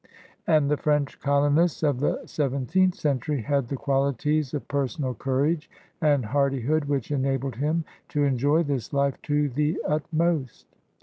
And the French colonist of the seventeenth century had the qualities of personal courage and hardihood which enabled him to enjoy this life to the utmost.